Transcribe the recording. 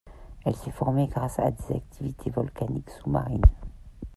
Elle s'est formée grâce à des activités volcaniques sous-marines.